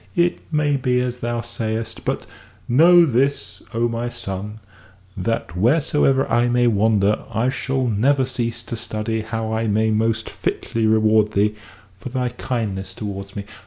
"It may be as thou sayest. But know this, O my son, that wheresoever I may wander, I shall never cease to study how I may most fitly reward thee for thy kindness towards me.